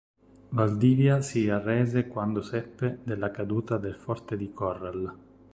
Valdivia si arrese quando seppe della caduta del forte di Corral.